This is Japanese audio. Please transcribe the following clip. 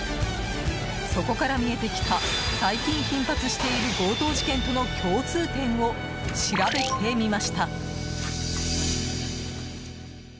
そこから見えてきた最近頻発している強盗事件との共通点を調べてみました。